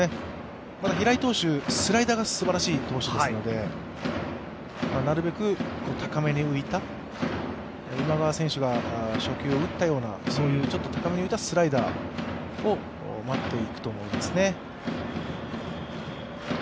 平井投手、スライダーがすばらしい投手ですのでなるべく高めに浮いた、今川選手が初球を打ったように高めに浮いたスライダーを待っていくと思いますね。